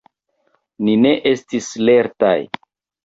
Ni ne estis lertaj.